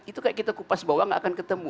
itu seperti kita kupas bawah tidak akan ketemu